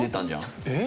えっ？